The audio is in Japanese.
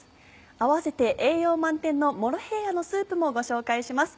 併せて栄養満点の「モロヘイヤのスープ」もご紹介します。